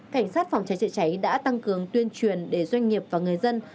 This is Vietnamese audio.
cảnh sát phòng trái trị trái đã tăng cường tuyên truyền để doanh nghiệp và người dân